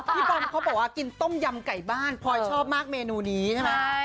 บอมเขาบอกว่ากินต้มยำไก่บ้านพลอยชอบมากเมนูนี้ใช่ไหม